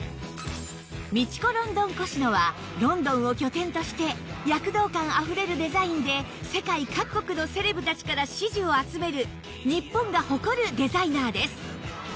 ＭＩＣＨＩＫＯＬＯＮＤＯＮＫＯＳＨＩＮＯ はロンドンを拠点として躍動感あふれるデザインで世界各国のセレブたちから支持を集める日本が誇るデザイナーです